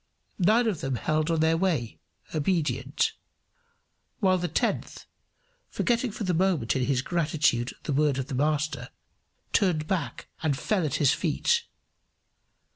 Nine of them held on their way, obedient; while the tenth, forgetting for the moment in his gratitude the word of the Master, turned back and fell at his feet.